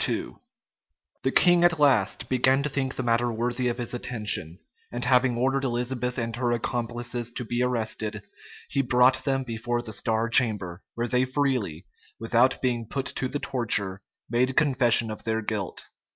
87 The king at last began to think the matter worthy of his attention; and having ordered Elizabeth and her accomplices to be arrested, he brought them before the star chamber, where they freely, without being put to the torture made confession of their guilt.